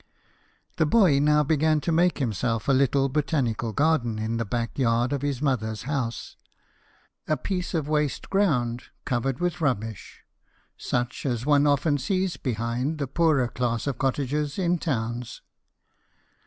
The boy now began to make himself a little botanical garden in the back yard of his 172 BIOGRAPHIES OF WORKING MEN. mother's house a piece of waste ground covered with rubbish, such as one often sees behind the poorer class of cottages in towns.